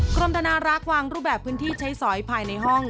กรมธนารักษ์วางรูปแบบพื้นที่ใช้สอยภายในห้อง